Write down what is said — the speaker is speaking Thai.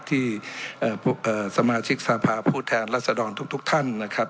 ที่สมาชิกสภาพผู้แทนรัศดรทุกท่านนะครับ